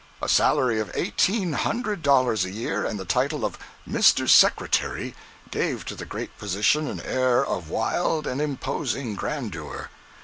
A salary of eighteen hundred dollars a year and the title of "Mr. Secretary," gave to the great position an air of wild and imposing grandeur.